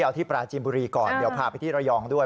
เอาที่ปราจีนบุรีก่อนเดี๋ยวพาไปที่ระยองด้วย